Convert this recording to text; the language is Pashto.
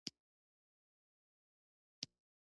خدای دې څوک نه وږي کوي.